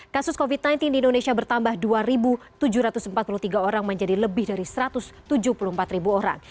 kasus covid sembilan belas di indonesia bertambah dua tujuh ratus empat puluh tiga orang menjadi lebih dari satu ratus tujuh puluh empat orang